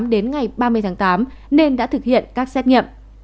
đến ngày ba mươi tháng tám nên đã thực hiện các xét nghiệm